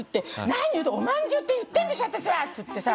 「何“おまんじゅう”って言ってんでしょ私は！」っつってさ。